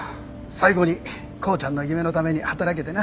最後に浩ちゃんの夢のために働けてな。